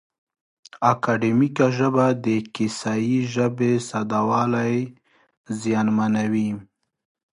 اکاډیمیکه ژبه د کیسه یي ژبې ساده والی زیانمنوي.